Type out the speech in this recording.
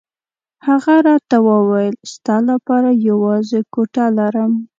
هغه راته وویل ستا لپاره یوازې کوټه لرم.